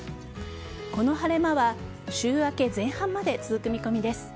この晴れ間は週明け前半まで続く見込みです。